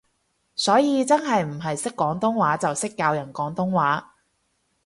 所以真係唔係識廣東話就識教人廣東話